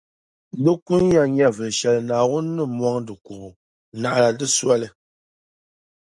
Di kun ya nyɛvuli shεli Naawuni ni mɔŋ di kubu naɣila ni di soli.